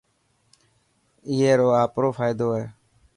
اي رو آپرو فائدو هي.